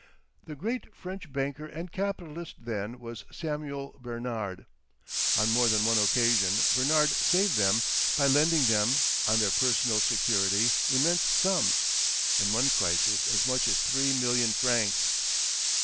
The great French banker and capitalist then was Samuel Bernard. On more than one occasion Bernard saved them by lending them, on their personal security, immense sums; in one crisis as much as three million francs.